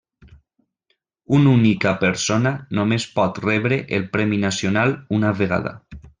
Una única persona només pot rebre el Premi Nacional una vegada.